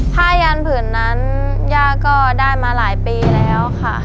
ผ้ายันผืนนั้นย่าก็ได้มาหลายปีแล้วค่ะ